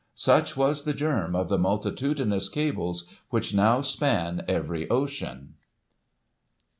Such was the germ of the multitudinous cables which now span every ocean.